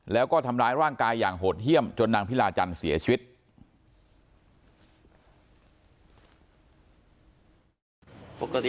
แล้วก็ทำร้ายร่างกายอย่างโหดเยี่ยมจนนางพิลาจันทร์เสียชีวิต